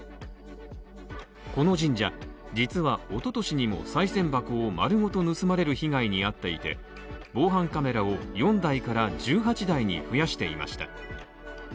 この神社、実は一昨年にもさい銭箱を丸ごと盗まれる被害に遭っていて防犯カメラを４台から１８台に増やしていました。